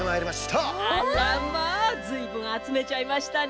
あらまあずいぶんあつめちゃいましたね。